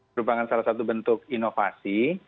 merupakan salah satu bentuk inovasi